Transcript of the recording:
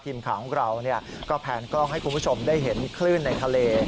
ทีมข่าวของเราก็แพนกล้องให้คุณผู้ชมได้เห็นคลื่นในทะเล